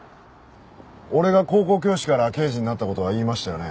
俺が高校教師から刑事になった事は言いましたよね。